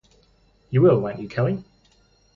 You will, won’t you, Kelly?